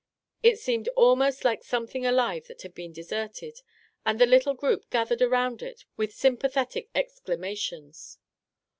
It seemed almost like something alive that had been de serted, and the little group gathered around it with sympathetic exclamations.